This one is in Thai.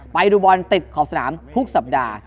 ไปดูบอลติดขอบสนามทุกสัปดาห์